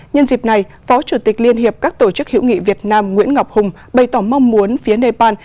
nhân dịp này phó chủ tịch liên hiệp các tổ chức hữu nghị việt nam nguyễn ngọc hùng bày tỏ mong muốn phía nepal